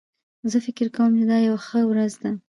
زه فکر کوم چې دا یو ښه ورځ ده